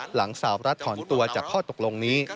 หลังสาวรัฐถอนตัวจากข้อตกลงนี้